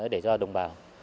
để cho đồng bào